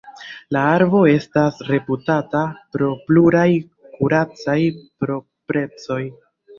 La arbo estas reputata pro pluraj kuracaj proprecoj.